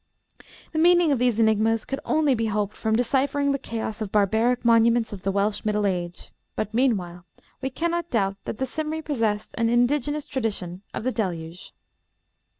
The meaning of these enigmas could only be hoped from deciphering the chaos of barbaric monuments of the Welsh middle age; but meanwhile we cannot doubt that the Cymri possessed an indigenous tradition of the Deluge."